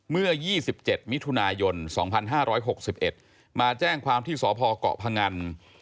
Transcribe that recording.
เมื่อ๒๗มิถุนายน๒๕๖๑มาแจ้งความที่สพเกาะพงัน